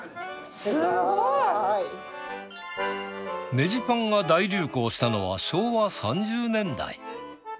ネジパンが大流行したのは昭和３０年代。